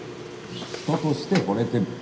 人として惚れてる。